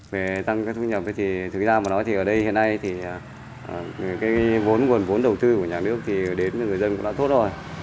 về tăng thu nhập thì thực ra ở đây hiện nay vốn đầu tư của nhà nước đến người dân cũng đã tốt rồi